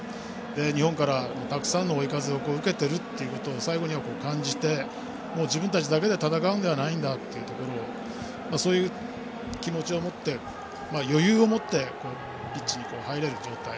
日本からたくさんの追い風を受けてることを最後には感じて自分たちだけで戦うんではないところをそういう気持ちを持って余裕を持ってピッチに入れる状態